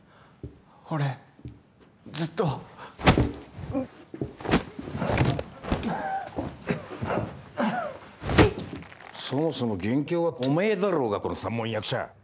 俺ずっとそもそも元凶はおめえだろうがこの三文役者！